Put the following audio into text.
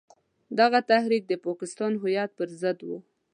دغه تحریک د پاکستان هویت پر ضد وو.